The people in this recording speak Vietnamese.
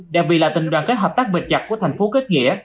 đặc biệt là tình đoàn kết hợp tác bình chặt của thành phố kết nghĩa